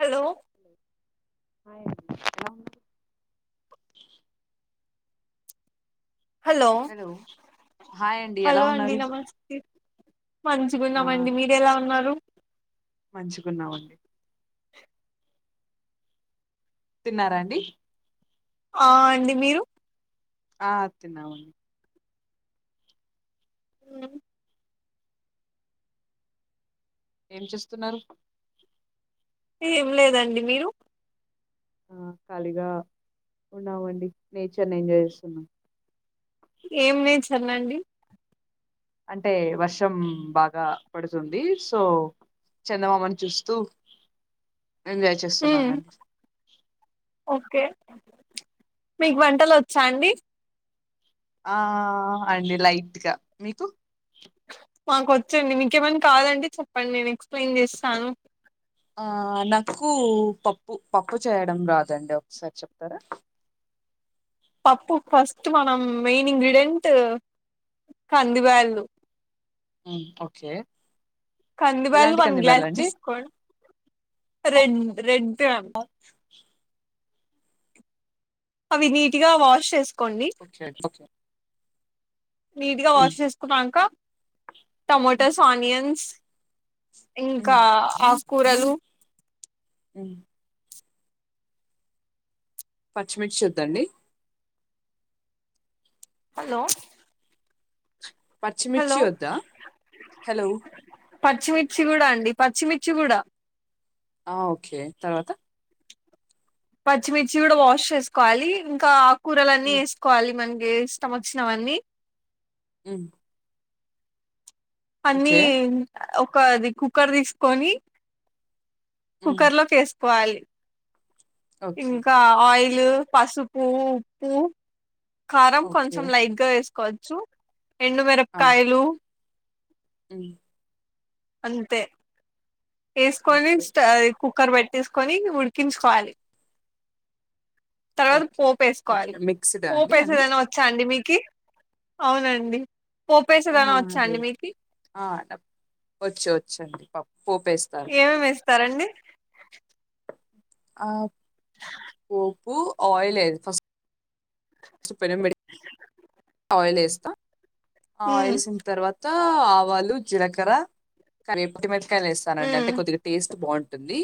Hello hi hello hi అండి ఎలా hello అండి ఉన్నారు నమస్తే మంచిగున్నామండి మీరు ఎలా ఉన్నారు మంచుకున్నామండి తిన్నారా అండి ఆ అండి మీరు ఆ తిన్నామండి అ ఏం చేస్తున్నారు ఏం లేదండి మీరు ఆ ఖాళీగా ఉన్నామండి నేచర్ ని ఎంజాయ్ చేస్తున్నాం ఏం వెచర్ అండి అంటే వర్షం బాగా పడుతుంది సో చందమామని చూస్తూ ఎంజాయ్ చేస్తున్నానండి ఓకే మీకు వంటలు వచ్చా అండి ఆ ఆ ఆ అండి లైట్గా మీకు మాకు వచ్చండి మీకేమన్నా కాదంటడి చెప్పండి నేను ఎక్స్ప్లెయిన్ చేస్తాను పకు పప్పు పప్పు చేయడం రాదండి ఒకసారి చెప్తారా పప్పు ఫస్ట్ మనం మెయిన్ ఇంగ్రీడియంయంట్ కందివాళ్లు ఓకే కందివాలు ఎలాంటి వన్ గ్లాస్ కందిబ్యాలండి తీసుకోం రెడ్ రెడ్ గ్రామ్ [inaudible] అవి నీట్గా వాష్ చేసుకు ఓ నీట్గా వాష్ చేసుకున్నాక ఓకే టమోటోస్ ఆనియన్స్ ఇంకా ఆకుకూరలు ఉ పచ్చిమిర్చి వద్దండి హలో హలో పచ్చిమిర్చి వద్దా హలో మిర్చి కూడా అండి పచ్చిమిర్చి గుడా ఆ ఓకే తర్వాత పచ్చిమిర్చి కూడా వాష్ చేసుకోవాలి ఇంకా ఆకూరలన్నీ ఉమ్ వేసుకోవాలి మన్ ఇ ఇష్టం వచ్చినవన్నీ హు అన్ని ఒక్క అది కుక్కర్ తీసుకొని ఉమ్ కుక్కర్ లోకి వేసుకోవాలి ఓకే ఇంకా ఆయిల్ ల్ పసుపు ఉప్పు కారం ఓకే కొంచెం లైట్ గా వేసు కోవచ్చు ఎండు మిరపకాయలు ఉ అంతే వేసుకొని ఓకే అది కుక్కర్ పెట్టేసుకొని ఉడికించుకోవాలి తర్వాత ఓకే పోపు ఓకే వేసుకోవాలి మిక్స్డా అండి అన్ని పోపేసేదైనా వచ్చా అండి మీకి అవునండి ఆ పోపేసేదైనా వచ్చాండి లేదు మీకి ఆ వచ్చు వచ్చండి ప ఏమేం వేస్తారండి ఆ పోపు ఆయిల్ అది ఫస్ట్ పెనం పెట్టి ఆయిల్ వేస్తా ఆ హ్మ్ ఆయిల్సిన తర్వాత త్త ఆవాలు జీలకర్ర వట్టి మిరపకాయలు హ్మ్ అంటే కొద్దిగా టేస్ట్ బాగుం ఉంటంది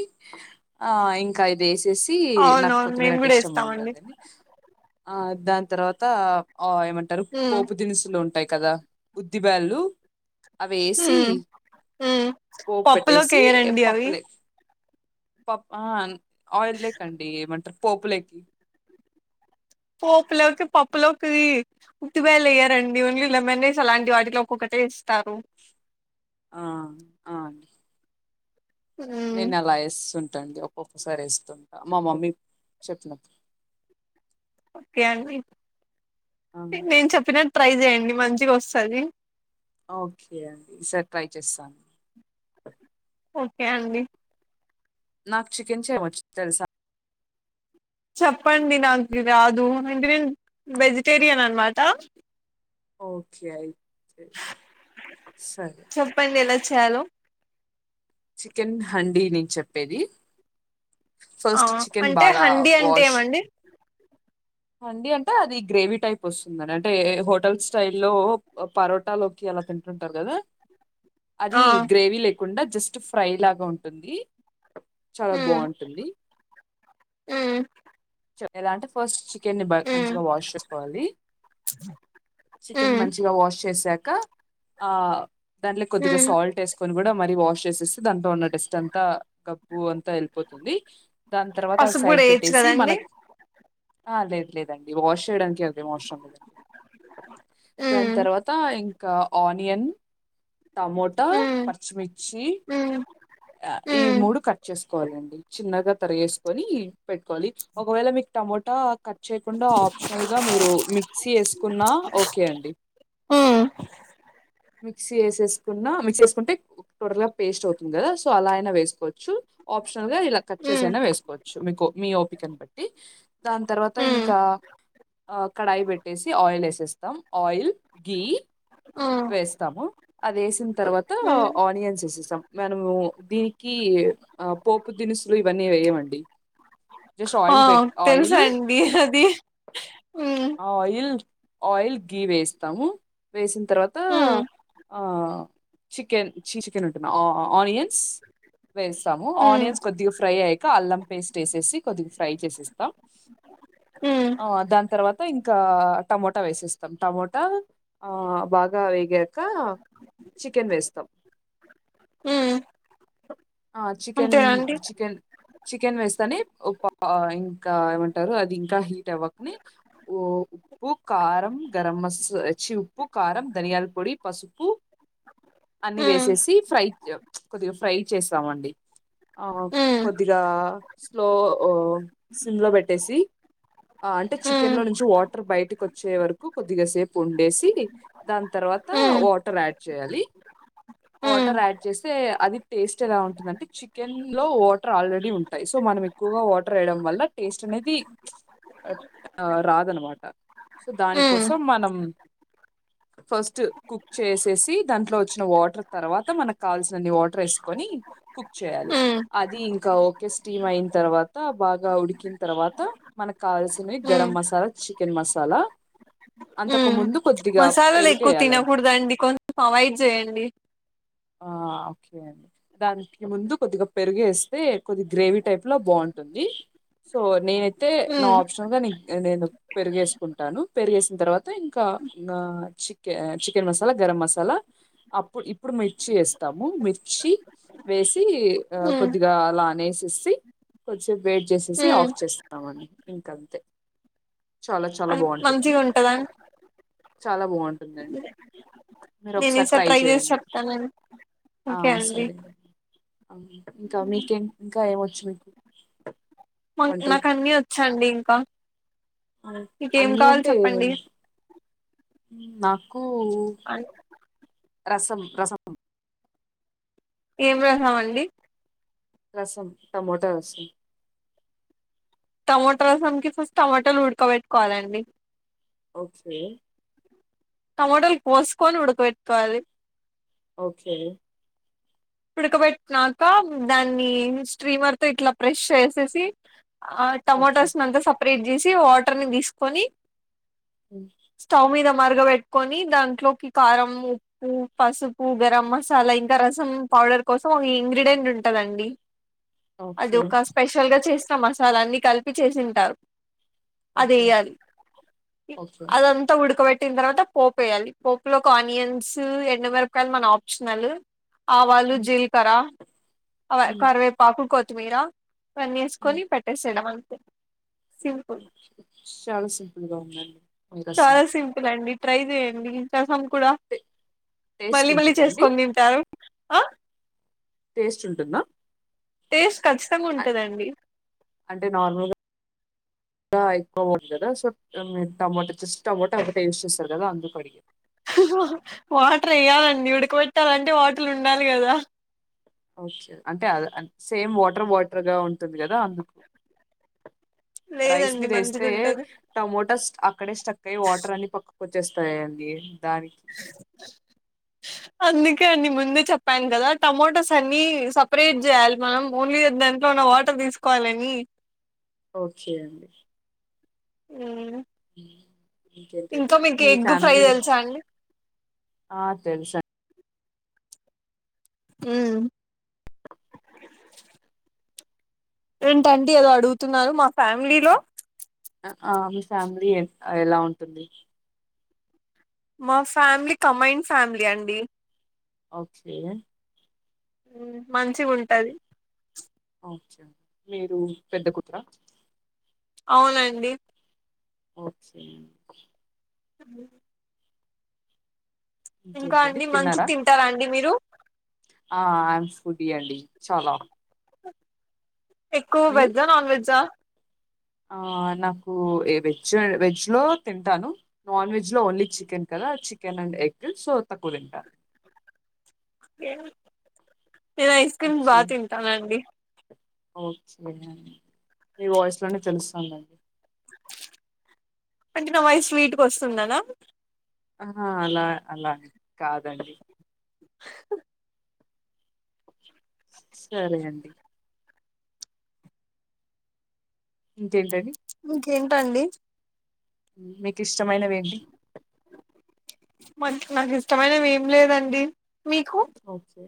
ఆ ఇంకా ఇది చ్చేసి నాకు అవునవును కొత్తమీర మేము అంటే కూడా ఇష్టం ఏస్తామండి ఉండదు ఆ దాని తర్వాత ఆ ఏమంటారు హ్మ్ పోపు దినుసులు ఉంటాయి. కదా ఉద్ధిబేళ్లు అవి వేసి హ్మ్ హ్మ్ పోపు పప్పులోకి పెట్టేసి ఏయరండి అవి పప్పలే పప్పు ఆన్ ఆయిల్ లైక్ అండి ఏమంటారు పోపులేక్ పోపులోకి పప్పులోకి ఉద్ధిబేళ్లు ఏయ్యారండి ఓన్లీ లెమన్ రైస్ అలాంటి వాటిలో ఒక్కొక్క వేస్తారు ఆ ఆండి హ్మ్ నేను అలా ఎస్సు ఉన్ టంది ఒక్కొక్కసారి వస్తుంటా మా మమ్మీ చెప్పినప్పు ఓకే అండి ఆ నేను చెప్పిన ట్రై చేయండి మంచిగా వస్తది. ఓకే అండి సారే ట్రై చేస్తా ఓకే అండి నాకు చికెన్ చేయవొచ్చు తెలుసా? చెప్పండి నాకు రాదు అంటే నేను వెజిటేరియన్ అన్నమాట. ఓకే అయితే సరే చాలో చికెన్ హండీ నేను చెప్పేది ఆ ఫస్ట్ చికెన్ అంటే బాగా హండి అంటే ఏమండి? అండి అంటే అది గ్రేవీ టైప్ వస్తుందండి అంటే హోటల్ స్టైల్లో పరోటాలోకి అలా తింటు ఉంటారు కదా [inaudible] అది గ్రేవీ లేకుండా జస్ట్ ఫ్రై లాగా ఉంటుంది. చాలా బావుంటుంది. ఆ చ ఎలా అంటే ఫస్ట్ చి చికెన్ బ మంచిగా వాష్ చేసుకోవాలి చికెన్ హ్మ్ మంచిగా వాష్ చేసా క ఆ దానిలో కొద్దిగా సాల్ట్ వేసుకొని కూడా మరి వాష్ చేసేస్తే దాంతో ఉన్న బెస్ట్ అంతా గబు అంతా వెళపోతుంది దాని తర్వాత పసుపు కూడా సైడ్ వేయొచ్చు పెట్టేసి మన కదండి ఆ లేదు లేదండి వాష్ చేయడానికి అదే అవసరం లేదండి దాని తర్వాత ఇం ఒక ఆనియన్, టమోటా, పచ్చిమిర్చి ఈ మూడు కట్ చేసుకోవాలండి చిన్నగా తరిగేసుకొని పెట్టుకోవాలి ఒకవేళ మీకు టమోటా కట్ చేయకుండా ఆప్షనల్గా మీరు మిక్సీ వేసుకున్న ఓకే అండి మిక్సీ ఎసేస్ ఉన్న మిక్స్ చేసుకుంటే టోటల్ గా పేస్ట్ అవుతుంది కదా సో అల అయినా వేసుకోవచ్చు ఆప్స్ చాలా ఇలా కట్ చేసైనా వేసుకోవచ్చు మీకు మీ ఓపికన్ బట్టి ది దాని తర్వాత ఇంకా ఆ కడాయి పెట్టేసి ఆయిల్ వేసేస్తాం ఆయిల్, గీ వేస్తాము అది వేసిన తర్వాత ఆనియన్స్ వేసేస్తాం మనము దీనికి ఏ ఆ పోపు దినుసులు ఇవన్నీ వేయమండి. ఒకే జస్ట్ ఆయిల్ పెట్ ఆవును తెలుసా ఆయిల్ అండి అది మ్ ఆ ఆయిల్ ఆయిల్ గీ వేస్తాము వేసిన తర్వాత ఆహ్. చికెన్ చి చికెన్ అంటున్నా ఆనియన్స్. వేస్తాము ఆనియన్స్ కొద్దిగా ఫ్రై అయ్యాక అల్లం పేస్ట్ వేసేసి కొద్దిగా ఫ్రై. వేసేస్తాం. ఆహ్ దాని తర్వాత ఇంకా టమోటా వేసేస్తాం టమోటా ఆహ్ బాగా. ఆహ్ వేగాక చికెన్ వేస్తాం. ఉమ్. ఆహ్ చికెన్ చికెన్ చికెన్ వేస్తాని ఒక పప్. ఆహ్ ఇంకా ఏమంటారు అది ఇంకా హీట్ అవ్వకని ఉప్పు కారం గరం. మస్ అచ్చివ్ ఉప్పు కారం ధనియాలపొడి పసుపు. అన్ని వేసేసి ఫ్రై కొద్దిగా ఫ్రై చేస్తామండి. ఆహ్ కొద్దిగా స్లో ఆహ్ సిమ్ లో పెట్టేసి. ఆహ్ అంటే చికెన్ లో నుంచి వాటర్ బయటకి వచ్చే వరకు కొద్దిగాసేపు ఉండేసి దాని తర్వాత. తర్వాత వాటర్ యాడ్ చేయాలి. వాటర్ యాడ్ చేస్తే అది టేస్ట్ ఎలా ఉంటుందింటే చికెన్ లో వాటర్ ఆల్రెడీ ఉంటాయి సో మనం. ఎక్కువగా వాటర్ ఆడ్ అవ్వాలే టేస్ట్ అనేది ఆహ్ రాదనమాట సో దానికోసం మనం. ఫస్ట్ కుక్ చేసేసి దాంట్లో వచ్చిన వాటర్ తర్వాత మనకు కాల్సినన్ని వాటర్ వంపేసుకొని. వంపేసుకొని కుక్ చేయాలి అది ఇంకా ఒకె స్ట్రేన్. తర్వాత బాగా ఉడికిన తర్వాత మనకు కావాల్సినవి గరం మసాలా చికెన్ మసాలా. అంతకు ముందు. కొద్దిగా మసాలాలు ఎక్కువ పెరుగేయాలి తినకూడదండి కొంచెం అవాయిడ్ చేయండి. ఆహ్ ఓకే అండి దానికి ముందు కొద్దిగా పెరుగేస్తే కొద్ది గ్రేవీ టైప్ లో బాగుంటది. ఉంటది. సో నేనైతే నా ఆప్షనల్ గా న నేను పెరిగేసుకుంటాను పెరిగేసిన తర్వాత ఇంకా. ఆహ్ చికె ఆహ్ చికెన్ మసాలా గరం మసాలా అప్పుడు ఇప్పుడు. మిర్చి వేస్తాము మిర్చి వేసి ఆహ్ కొద్దిగా అలానేసేసి. కొద్దిసేపు వెయిట్ చేసేసి ఆఫ్ చేస్తామని ఇంకంతే చాలా. చాలా బాగుంటుంది మంచిగా ఉంటదా చాలా బాగుంటుందాండి. మీరు నేను ఒకసారి ఈసారి ట్రై చేసి చెయండి చెప్తానండి ఓకే ఆహ్ అండి సరే. ఆహ్ ఇంకా మీకెం ఇంకా ఏమొచ్చు. మా వంటలు నాకు అన్నీ వచ్చండి ఇంకా. మీకేం అన్ని కావాలి అంటే చెప్పండి. నాకు. రసం రసము. ఏం రాసామండి. రసం టమోటో రసం. టమోటో రసానికి ఫస్ట్ టమోటాలు ఉడకబెట్టుకోవాలండి. ఓకే. మోడల్ కోస్కోని ఉడకబెట్టుకోవాలి. ఓకే. ఉడకబెట్టినాక దాన్ని స్ట్రీమర్ తో ఇట్లా ప్రెష్ చేసేసి. ఆహ్ ఓకే టమాటోస్ని అంతా సపరేట్ చేసి వాటర్ని తీసుకొని. స్టౌ మీద. మార్గ పెట్టుకొని దాంట్లోకి కారం ఉప్పు పసుపు గరం మసాలా ఇంకా రసం. పౌడర్ కోసం ఒక ఇంగ్రీడియంంట్ ఉంటందండి అది ఓకే ఒక స్పెషల్ గా చేస్త మసాలాన్ని కలిపి చేసింటారు ఓకే అదేయ్యాలి ఓకే అదంతా ఉడకబెట్ పట్టిన తర్వాత పోపు వేయాలి పోప్లోకి ఆనియన్స్ ఎండి మిరపకాయలు మన ఆప్షనల్ ఆవాళ్ళు జీల్కరా అ కరివేపాకు కొత్తిమీర ఇవన్ని వేసుకొని పెట్టేసేయడం అ చాలా సింపుల్గా ఉందండి మీ రసం చాలా సింపుల్ అండి ట్రై చేయండి ఇ రసం కూడా టే- టేస్ట్ మళ్ళీ మళ్ళీ ఉంటుందండి చేసుకొని తింటారు ఆ టేస్ట్ ఉంటుందా టేస్ట్ ఖచ్చితంగా అ- ఉంటందండి అంటే నార్మల్గా ఎక్కువ మంది కదా సో మీ టమాటో జస్ట్ టమాటో ఒకటే యూజ్ చేస్తారు కదా అందుకు అడిగాను వాటర్ ఎయాలండి ఉడకబెట్టాలంటే వాటర్ ఉండాలి కదా అంటే అ సేమ్ వాటర్ బాటర్గా ఉంటుంది కదా అందుకు రైస్ లేదండి మీదేస్తే మంచిగా ఉంటది టమోటాస్ ఆ అక్కడే స్టక్కయి వాటర్ అని పక్కకు వచ్చేస్తాయండి దాన్కి అన్ని ముందే చెప్పాను కదా టమోటోస్ అన్ని సపరేట్ జెయాలి మనం ఓన్లీ దాంట్లో ఉన్న వాటర్ తీస్కోవాలని ఓకే అండి ఆ ఇంకేంటండి మీ ఎగ్ ఫ్రై ఫ్యామిలీలు తెలుసా అండి ఆ తెల్సు హ్మ్ ఏంటండీ ఏదో అడుగుతున్నారు మా ఫ్యామిలీలో ఆ మీ ఫ్యామిలీ ఎలా ఉంటుంది మా ఫ్యామిలీ కమైన్డ్ ఫ్యామిలీ అండి ఓకే మంచిగుంటది మీరు ఇంటి పెద్ద కూతురా అవునండి ఓకే అ ఇంకేంటండి అండి తిన్నారా మంచిగా తింటారా అండి మీరు ఆ ఐ ఆమ్ ఫుడ్డి అండి చాల ఎక్కువ్ వెజ్జా నాన్వెజ్జా ఆ నాకు వెజ్ వెజ్లో తింటాను నాన్వెజ్ లో ఓన్లీ చికెన్ క చికెన్ అండ్ ఎగ్ సో తక్కువ తింటను ఏ నేనైఐస్క్రీమ్ బా ఓకే తింటానండి ఓకే అ మీ వాయిస్లోనే తెలుస్తుాందండి అంటే నావాయిస్ స్వీట్గా వస్తుందనా ఆహ అలా అలాని కాదండి హ సరే అండి ఇంకేంటండి ఇంకేంటండి? మీకిష్టమైనవేంటి మన్ నాకిష్టమైనవ్ ఏం లేదండి మీకు ఓకే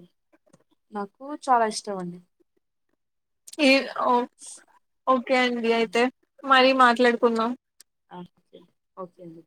నాకు చాలా ఇష్టం అండి. ఈ ఓ ఓకే అండి అయితే మరీ మాట్లాడుకుందాం అలాగే ఓకే అండి